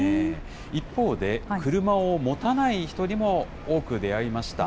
一方で、車を持たない人にも多く出会いました。